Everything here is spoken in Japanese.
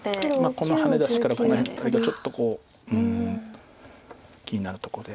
このハネ出しからこの辺一帯がちょっとこう気になるとこで。